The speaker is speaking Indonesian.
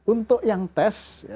untuk yang tes